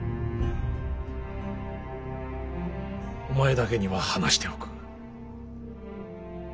お前だけには話しておく。